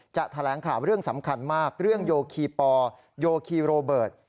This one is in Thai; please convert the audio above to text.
แถลงข่าวเรื่องสำคัญมากเรื่องโยคีปอโยคีโรเบิร์ต